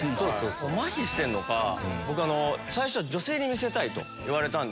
まひしてんのか最初女性に見せたいと言われた。